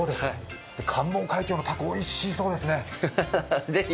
関門海峡のたこおいしそうですね是非。